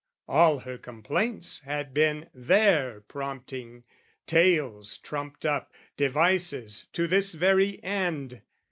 All her complaints had been their prompting, tales Trumped up, devices to this very end.